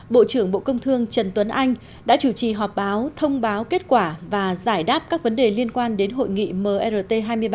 bộ trưởng bộ công thương trần tuấn anh đã chủ trì họp báo thông báo kết quả và giải đáp các vấn đề liên quan đến hội nghị mrt hai mươi ba